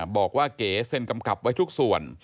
บอกว่าเก๋เซ็นกำกับไว้ทุกส่วน